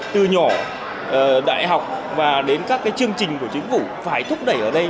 từ nhỏ đại học và đến các chương trình của chính phủ phải thúc đẩy ở đây